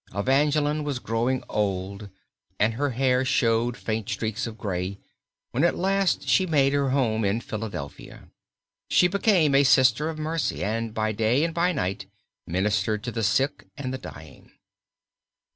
Evangeline was growing old and her hair showed faint streaks of gray when at last she made her home in Philadelphia. She became a Sister of Mercy and by day and by night ministered to the sick and the dying.